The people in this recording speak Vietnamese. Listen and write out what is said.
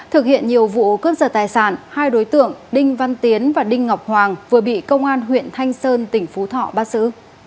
thực hiện nhiều vụ cướp giật tài sản hai đối tượng đinh văn tiến và đinh ngọc hoàng vừa bị công an huyện thanh sơn tỉnh phú thọ bắt xử